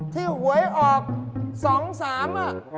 ที่หวยออกสองสาม